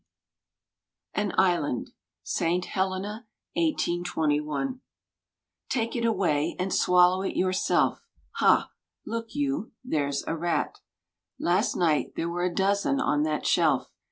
|22| AN ISLAND AN ISLAND (SAINT HELENA, 1821) Take it away, and swallow it yourself. Hal Look you, there's a rat. Last night there were a dozen on that shelf.